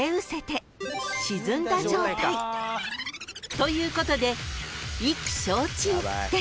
［ということで］